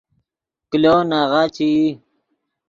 کلو ناغہ چے ای